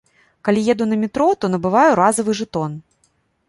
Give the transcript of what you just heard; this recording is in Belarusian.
Калі еду на метро, то набываю разавы жэтон.